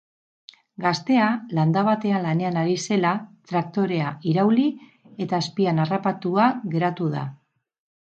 Gaztea landa batean lanean ari zela traktorea irauli eta azpian harrapatua geratu da.